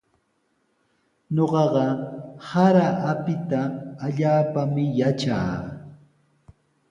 Ñuqaqa sara apita allaapami yatraa.